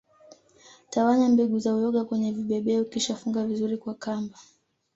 Tawanya mbegu za uyoga kwenye vibebeo kisha funga vizuri kwa kamba